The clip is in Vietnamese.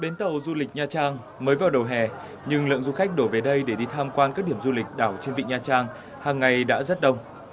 đến tàu du lịch nha trang mới vào đầu hè nhưng lượng du khách đổ về đây để đi tham quan các điểm du lịch đảo trên vịnh nha trang hàng ngày đã rất đông